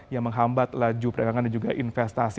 yang menghambat laju perdagangan dan juga investasi